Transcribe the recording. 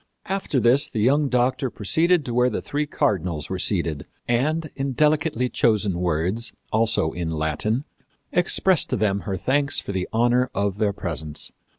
After this the young doctor proceeded to where the three cardinals were seated, and in delicately chosen words, also in Latin, expressed to them her thanks for the honor of their presence.